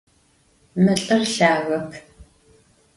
Mı lh'ır lhagep.